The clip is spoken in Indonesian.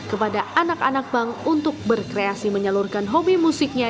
kepada anak anak bank untuk berkreasi menyalurkan hobi musiknya